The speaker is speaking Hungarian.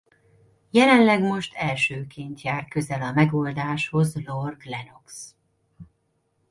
Jelenleg most elsőként jár közel a megoldáshoz Lord Lennox.